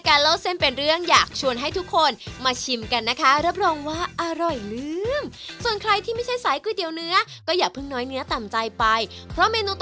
เอาเป็นว่าถึงแม่เชลล์จะลืมชิมมีชาลินจะลืมให้แดาล์